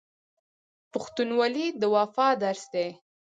پښتونولي د وفا درس دی.